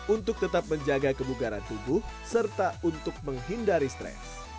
untuk tetap menjaga kebugaran tubuh serta untuk menghindari stress